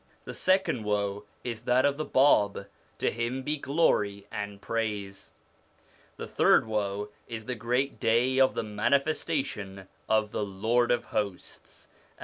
The second woe is that of the Bab to him be glory and praise ! The third woe is the great day of the manifestation of the Lord of Hosts and the 1 The Bab and Janabi Quddus.